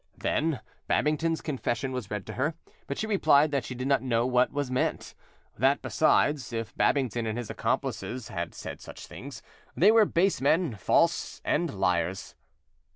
Then Babington's confession was read to her; but she replied that she did not know what was meant; that besides, if Babington and his accomplices had said such things, they were base men, false and liars.